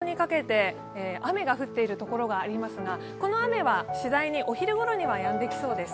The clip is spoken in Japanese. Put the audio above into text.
今、新潟から札幌にかけて、雨が降っているところがありますが、この雨は次第にお昼ごろにはやんできそうです。